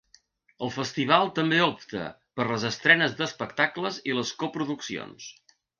El festival també opta per les estrenes d’espectacles i les coproduccions.